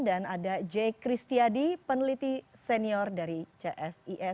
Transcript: dan ada j kristiadi peneliti senior dari csis